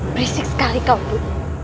berisik sekali kau bu